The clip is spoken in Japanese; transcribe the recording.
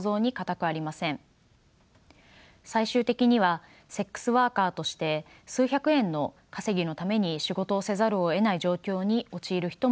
最終的にはセックスワーカーとして数百円の稼ぎのために仕事をせざるをえない状況に陥る人もいます。